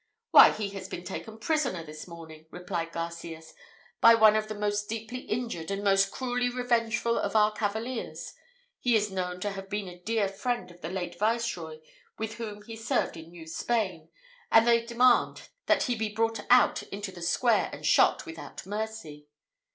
"Why he has been taken prisoner this morning," replied Garcias, "by one of the most deeply injured and most cruelly revengeful of our cavaliers. He is known to have been a dear friend of the late Viceroy, with whom he served in New Spain, and they demand that he be brought out into the square, and shot without mercy."